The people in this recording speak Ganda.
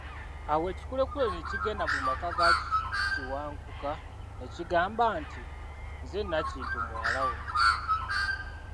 Awo ekikulekule ne kigenda mu maka ga Kiwankuka ne kigamba nti, nze Nakintu muwala wo.